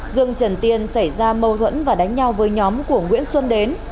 dương trần tiên xảy ra mâu thuẫn và đánh nhau với nhóm của nguyễn xuân đến